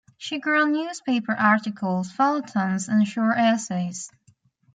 She wrote newspaper articles, feuilletons and short essays.